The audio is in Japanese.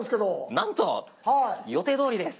なんと！予定どおりです。